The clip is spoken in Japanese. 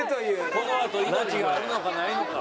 このあと命があるのかないのか。